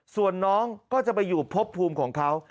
ส่วนน้องก็จะไปอยู่พบภูมิของเขา